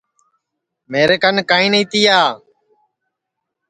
میرے کن کائیں نائی تیا